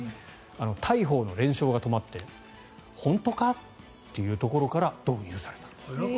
大鵬の連勝が止まって本当かというところから導入されたと。